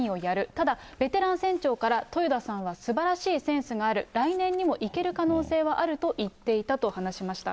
ただベテラン船長から、豊田さんはすばらしいセンスがある、来年にもいける可能性はあると言っていたと話しました。